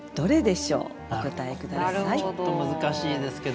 ちょっと難しいですけど。